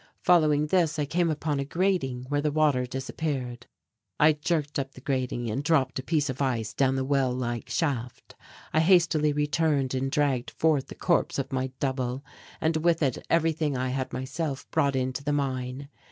Following this I came upon a grating where the water disappeared. I jerked up the grating and dropped a piece of ice down the well like shaft. I hastily returned and dragged forth the corpse of my double and with it everything I had myself brought into the mine.